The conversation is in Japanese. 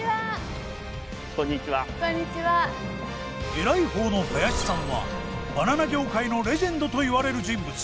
エライ方の林さんはバナナ業界のレジェンドと言われる人物。